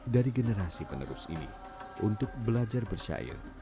dari generasi penerus ini untuk belajar bersyair